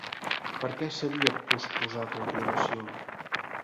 Per què s'havia posposat l'aprovació?